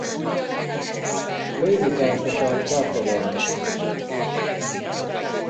A légitársaság charter járatokat szokott kiszolgálni.